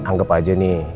anggep aja nih